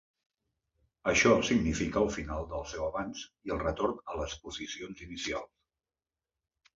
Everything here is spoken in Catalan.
Això significa el final del seu avanç i el retorn a les posicions inicials.